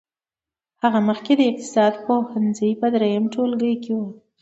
هغه مخکې د اقتصاد پوهنځي په دريم ټولګي کې وه.